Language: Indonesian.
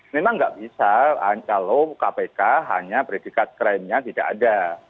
memang nggak bisa kalau kpk hanya predikat krimnya tidak ada